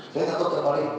saya gak tahu terbalik